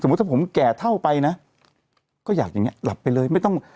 ถ้าผมแก่เท่าไปนะก็อยากอย่างเงี้หลับไปเลยไม่ต้อง